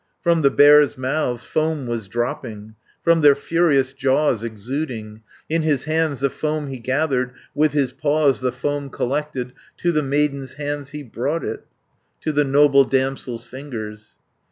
"From the bears' mouths foam was dropping, From their furious jaws exuding; In his hands the foam he gathered, With his paws the foam collected, To the maiden's hands he brought it, To the noble damsel's fingers.